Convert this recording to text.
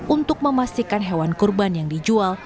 untuk memastikan hewan kurban yang dijual